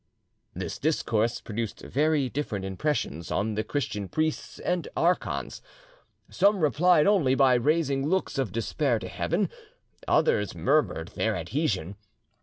This discourse produced very different impressions on the Christian priests and archons. Some replied only by raising looks of despair to Heaven, others murmured their adhesion.